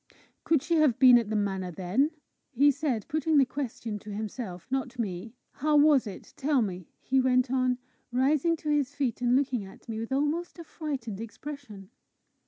"Could she have been at the manor then?" he said, putting the question to himself, not me. "How was it? Tell me," he went on, rising to his feet, and looking at me with almost a frightened expression.